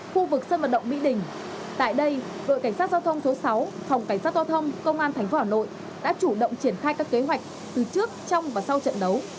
khu vực sân vận động mỹ đình tại đây đội cảnh sát giao thông số sáu phòng cảnh sát giao thông công an tp hà nội đã chủ động triển khai các kế hoạch từ trước trong và sau trận đấu